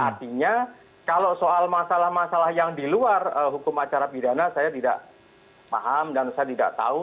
artinya kalau soal masalah masalah yang di luar hukum acara pidana saya tidak paham dan saya tidak tahu